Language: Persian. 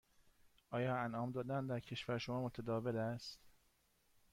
آیا انعام دادن در کشور شما متداول است؟